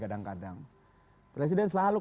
kadang kadang presiden selalu